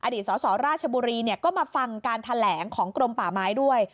อดีตสอราชบุรีเนี่ยก็มาฟังการแถลงของกรมป่าไม้ด้วย